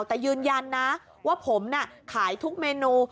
แต่ยืนยันนะว่าผมน่ะขายทุกเมนู